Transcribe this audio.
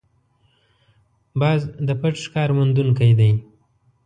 باز د پټ ښکار موندونکی دی